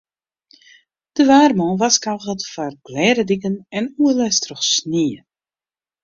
De waarman warskôget foar glêde diken en oerlêst troch snie.